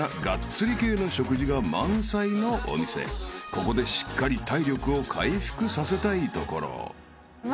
［ここでしっかり体力を回復させたいところ］